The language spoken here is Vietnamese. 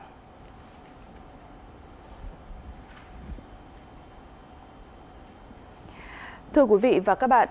trang a sang là bố đẻ của trang a sang về hành vi che giấu tội phạm